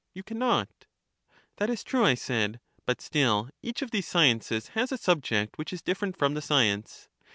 You can not. That is true, I said ; but still each of these sciences has a subject which is different from the science.